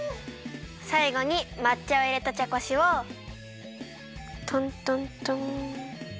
さいごにまっ茶をいれたちゃこしをトントントン。